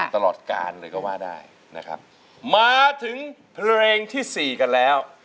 ตลอดกาลเลยก็ว่าได้นะครับมาถึงเพลงที่สี่กันแล้ว